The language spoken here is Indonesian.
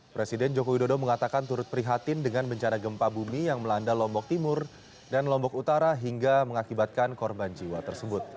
presiden joko widodo mengatakan turut prihatin dengan bencana gempa bumi yang melanda lombok timur dan lombok utara hingga mengakibatkan korban jiwa tersebut